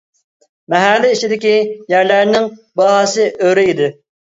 مەھەللە ئىچىدىكى يەرلەرنىڭ باھاسى ئۆرە ئىدى.